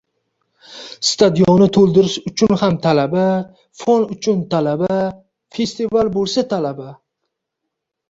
Stadionni toʻldirish uchun ham talaba, fon uchun talaba, festival boʻlsa talaba...